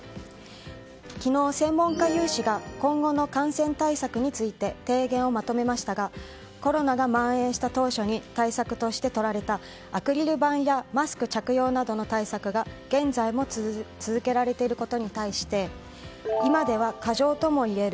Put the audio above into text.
昨日、専門家有志が今後の感染対策について提言をまとめましたがコロナが蔓延した当初に対策としてとられたアクリル板やマスク着用などの対策が現在も続けられていることに対して今では過剰ともいえる。